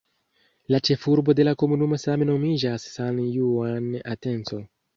La ĉefurbo de la komunumo same nomiĝas "San Juan Atenco".